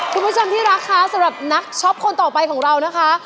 คุณผู้ชมที่รักคะสำหรับนักช็อปคนต่อไปของเรานะคะ